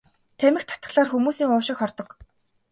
Тамхи татахлаар хүмүүсийн уушиг хордог.